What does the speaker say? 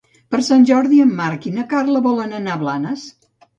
Per Sant Jordi en Marc i na Carla volen anar a Blanes.